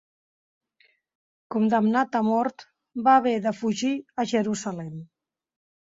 Condemnat a mort va haver de fugir a Jerusalem.